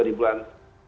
ada di bulan